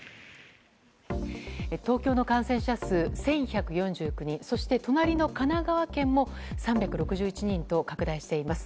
東京の感染者数、１１４９人そして隣の神奈川県も３６１人と拡大しています。